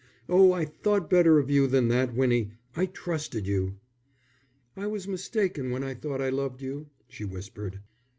Oh, I thought better of you than that, Winnie; I trusted you." "I was mistaken when I thought I loved you," she whispered.